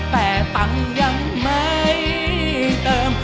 แต่ตังค์ยังไม่เติม